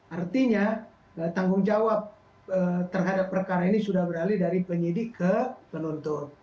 artinya tanggung jawab terhadap perkara ini sudah beralih dari penyidik ke penuntut